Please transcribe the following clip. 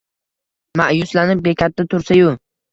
ma’yuslanib bekatda tursa-yu